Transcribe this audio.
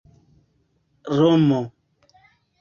romo